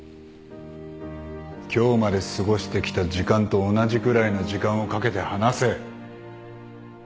今日まで過ごしてきた時間と同じくらいの時間をかけて話せ。